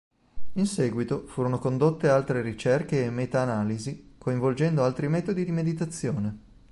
In seguito furono condotte altre ricerche e meta analisi coinvolgendo altri metodi di meditazione.